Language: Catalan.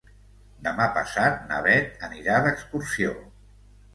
Demà passat na Bet anirà d'excursió.